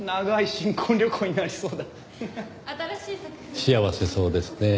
幸せそうですねぇ。